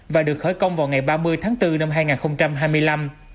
và được khởi công vào ngày ba mươi tháng bốn năm hai nghìn hai mươi năm